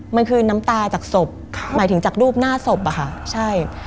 มันคือน้ำตาจากศพหมายถึงจากรูปหน้าศพอะค่ะใช่